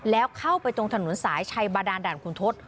แล้วเข้าไปตรงถนนสายชัยบาดานด่านคุณทศ